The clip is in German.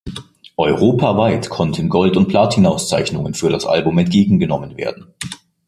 Europaweit konnten Gold- und Platin-Auszeichnungen für das Album entgegengenommen werden.